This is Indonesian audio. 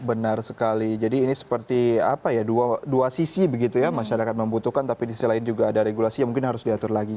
benar sekali jadi ini seperti apa ya dua sisi begitu ya masyarakat membutuhkan tapi di sisi lain juga ada regulasi yang mungkin harus diatur lagi